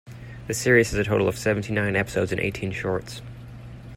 The series has a total of seventy-nine episodes and eighteen shorts.